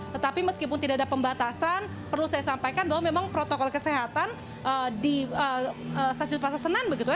tetapi meskipun tidak ada pembatasan perlu saya sampaikan bahwa memang protokol kesehatan di stasiun pasar senen begitu ya